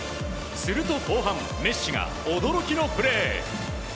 すると、後半メッシが驚きのプレー。